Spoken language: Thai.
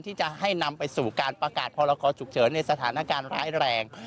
ที่จะให้นำไปสู่การประกาศพรกรฉุกเฉินในสถานการณ์ร้ายแรง